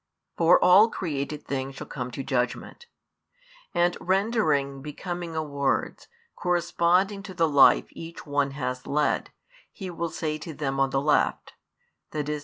For all created things shall come to judgment. And rendering becoming awards, corresponding to the life each one has led, He will say to them on the left, i.e.